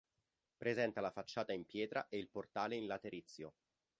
Presenta la facciata in pietra e il portale in laterizio.